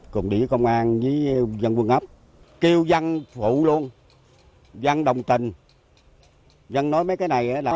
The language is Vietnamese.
cùng với công an với dân quân ấp kêu dân phụ luôn dân đồng tình dân nói mấy cái này là